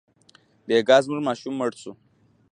بېګا زموږ ماشوم مړ شو.